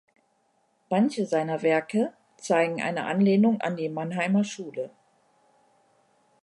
Manche seiner Werke zeigen eine Anlehnung an die Mannheimer Schule.